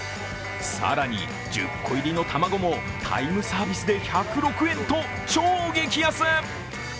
更に、１０個入りの卵もタイムサービスで１０６円と超激安。